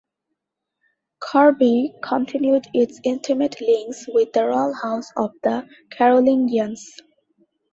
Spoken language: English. Corbie continued its intimate links with the royal house of the Carolingians.